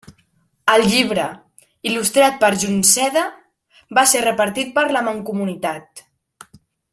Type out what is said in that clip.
El llibre, il·lustrat per Junceda, va ser repartit per la Mancomunitat.